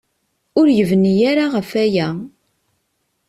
Ur yebni ara ɣef waya.